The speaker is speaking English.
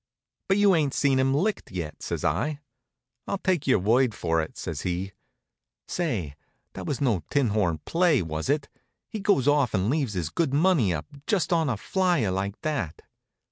"But you ain't seen him licked yet," says I. "I'll take your word for it," says he. Say, that was no tinhorn play, was it? He goes off and leaves his good money up, just on a flier like that.